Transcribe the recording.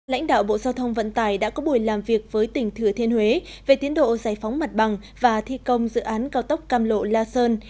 lãnh đạo bộ giao thông vận tải đã có buổi làm việc với tỉnh thừa thiên huế về tiến độ giải phóng mặt bằng và thi công dự án cao tốc cam lộ la sơn